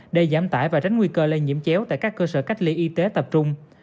để giảm tải và tránh nguy cơ lây nhiễm chéo tại các cơ sở cách ly y tế tập trung